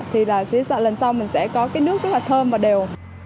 thì lần sau mình sẽ có cái nước rất là thơm và đều